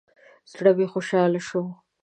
زړه مې خوشاله شو.